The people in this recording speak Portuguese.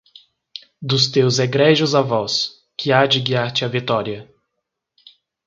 Dos teus egrégios avós, que há de guiar-te à vitória!